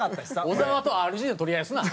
小沢とＲＧで取り合いすな。